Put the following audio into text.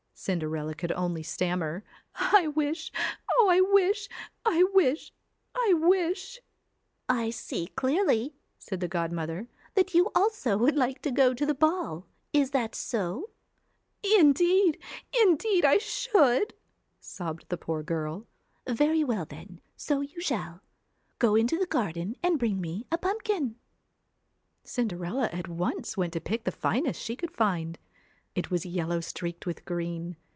Cinderella could only stammer 'I wish Oh, I wish ... I wish ... I wish ...'* I see clearly,' said the godmother, ' that you also would like to go to the ball ; is it so ?'* Indeed indeed I should,' sobbed the poor girl. 1 Very well, then, so you shall. Go into the garden and bring me a pumpkin.' Cinderella at once want to pick the finest she could find ; it was yellow streaked with green.